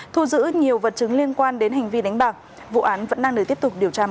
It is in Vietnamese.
thu giữ nhiều vật chứng liên quan đến hành vi đánh bạc vụ án vẫn đang được tiếp tục điều tra mở